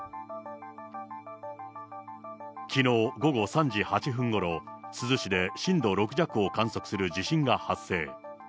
きのう午後３時８分ごろ、珠洲市で震度６弱を観測する地震が発生。